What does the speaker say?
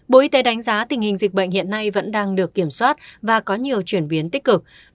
bộ y tế đánh giá tình hình dịch bệnh hiện nay vẫn đang được kiểm soát và có nhiều chuyển biến tích cực